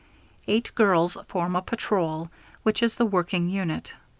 _ Eight girls form a Patrol, which is the working unit.